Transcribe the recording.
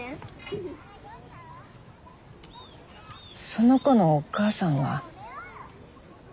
その子のお母さんは？